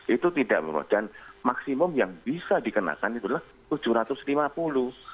itu tidak memang dan maksimum yang bisa dikenakan itu adalah rp tujuh ratus lima puluh